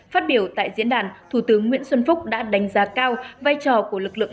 phát biểu tại diễn đàn thủ tướng nguyễn xuân phúc đã đánh giá cao vai trò của lực lượng